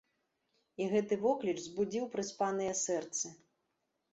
І гэты вокліч збудзіў прыспаныя сэрцы.